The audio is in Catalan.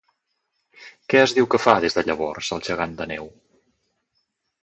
Què es diu que fa des de llavors el gegant de neu?